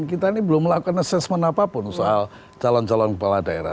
kita ini belum melakukan assessment apapun soal calon calon kepala daerah